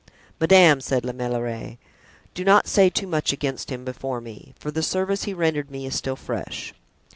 "Madame," said La Meilleraie, "do not say too much against him before me, for the service he rendered me is still fresh."